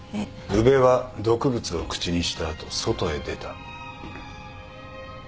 宇部は毒物を口にした後外へ出た。